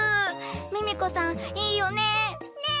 ミミコさんいいよね。ね。